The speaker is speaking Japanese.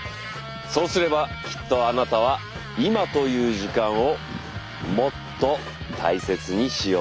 そうすればきっとあなたは「今」という時間をもっと大切にしようと思うはず。